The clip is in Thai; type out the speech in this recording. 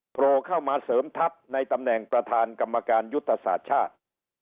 โผล่เข้ามาเสริมทัพในตำแหน่งประธานกรรมการยุทธศาสตร์ชาติ